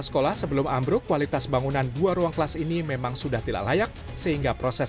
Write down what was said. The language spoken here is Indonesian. sekolah sebelum ambruk kualitas bangunan dua ruang kelas ini memang sudah tidak layak sehingga proses